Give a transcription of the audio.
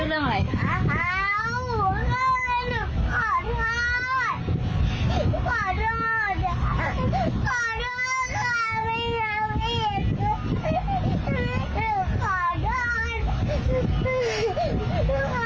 ขอโทษค่ะขอโทษค่ะไม่อยากเพียงหนู